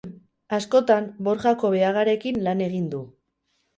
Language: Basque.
Askotan, Borja Kobeagarekin lan egin du.